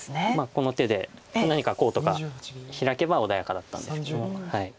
この手で何かこうとかヒラけば穏やかだったんですけども。